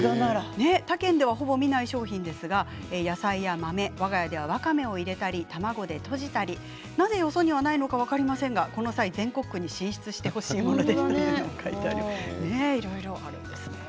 他県では、ほぼ見ない商品ですが野菜や豆わが家ではわかめを入れたり卵でとじたりしてなんで、なぜ粉になったのか分かりませんが、全国に進出してほしいものですということです。